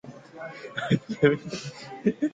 England were not to be appeased.